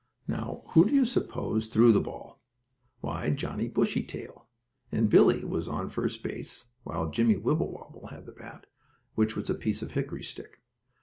Now whom do you suppose threw the ball? Why, Johnnie Bushytail. And Billie was on first base, while Jimmie Wibblewobble had the bat, which was a piece of hickory stick.